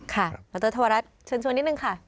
ค่ะมาเตอร์ธรรมรัฐเชิญชวนนิดหนึ่งค่ะ